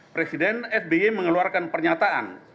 presiden sbe mengeluarkan pernyataan